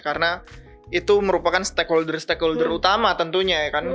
karena itu merupakan stakeholder stakeholder utama tentunya ya kan